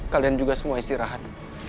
kalian juga semua istirahat